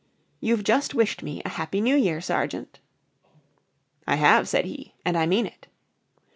"You've just wished me a Happy New Year, Sergeant." "I have," said he, "and I mean it."